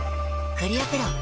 クリアプロだＣ。